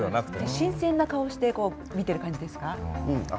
新鮮な顔して見てる感じですか？